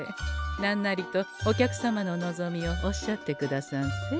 何なりとお客様の望みをおっしゃってくださんせ。